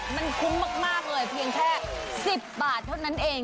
มันคุ้มมากเลยเพียงแค่๑๐บาทเท่านั้นเอง